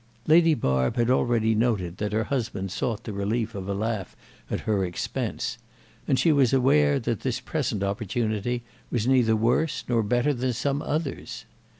Lady Barb had already noted that her husband sought the relief of a laugh at her expense, and she was aware that this present opportunity was neither worse nor better than some others.